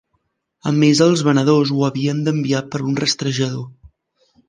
A més els venedors ho havien d'enviar per un rastrejador.